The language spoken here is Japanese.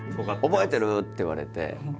「覚えてる？」って言われて。